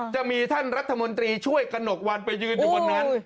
จะมีท่านรัฐมนตรีช่วยกระหนกวันไปยืนอยู่บนนั้น